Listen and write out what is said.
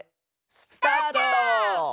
スタート！